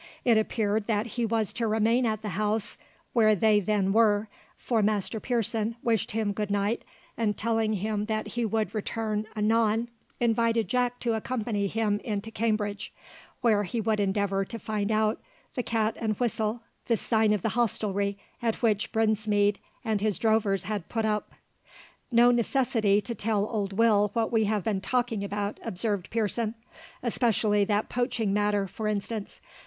It appeared that he was to remain at the house where they then were, for Master Pearson wished him good night, and, telling him that he would return anon, invited Jack to accompany him into Cambridge, where he would endeavour to find out the Cat and Whistle, the sign of the hostelry at which Brinsmead and his drovers had put up. "No necessity to tell old Will what we have been talking about," observed Pearson; "especially that poaching matter, for instance.